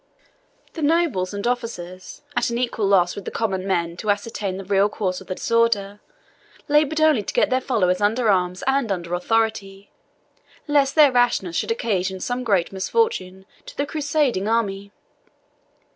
The nobles and officers, at an equal loss with the common men to ascertain the real cause of the disorder, laboured only to get their followers under arms and under authority, lest their rashness should occasion some great misfortune to the Crusading army.